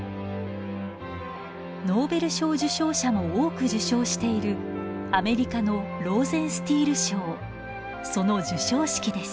ノーベル賞受賞者も多く受賞しているアメリカのローゼンスティール賞その授賞式です。